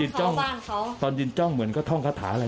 เนี้ยบอกว่ารถเข้าบ้านเขาตอนยืนจ้องเหมือนก็ท่องคาถาอะไร